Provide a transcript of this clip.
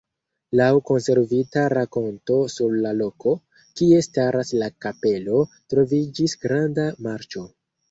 Laŭ konservita rakonto sur la loko, kie staras la kapelo, troviĝis granda marĉo.